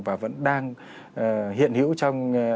và vẫn đang hiện hữu trong